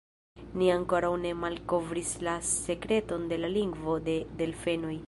Ni ankoraŭ ne malkovris la sekreton de la lingvo de delfenoj.